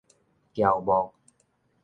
喬木